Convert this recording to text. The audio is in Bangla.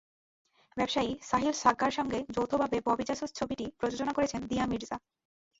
ব্যবসায়ী সাহিল সাঙ্ঘার সঙ্গে যৌথভাবে ববি জাসুস ছবিটি প্রযোজনা করেছেন দিয়া মির্জা।